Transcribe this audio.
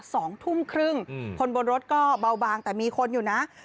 สองทุ่มครึ่งอืมคนบนรถก็เบาบางแต่มีคนอยู่นะ